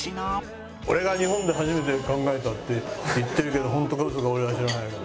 俺が日本で初めて考えたって言ってるけどホントかウソか俺は知らないけど。